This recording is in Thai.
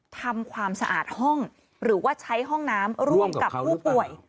ทำความสะอาดห้องหรือว่าใช้ห้องน้ำร่วมกับผู้ป่วย